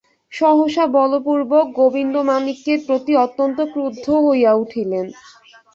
সহসা বলপূর্বক গোবিন্দমাণিক্যের প্রতি অত্যন্ত ক্রুদ্ধ হইয়া উঠিলেন।